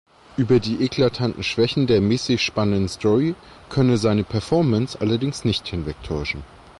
Über die eklatanten Schwächen der mäßig spannenden Story könne seine Performance allerdings nicht hinwegtäuschen.